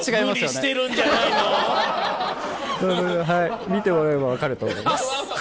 それはそれで見てもらえば分かると思います。